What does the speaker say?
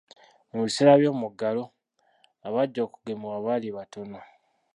Mu biseera by'omuggalo, abajja okugemebwa baali batono.